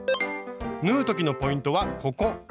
縫う時のポイントはここ。